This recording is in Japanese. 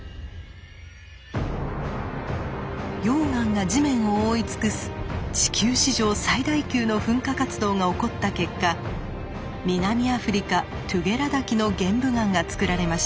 溶岩が地面を覆い尽くす地球史上最大級の噴火活動が起こった結果南アフリカトゥゲラ滝の玄武岩がつくられました。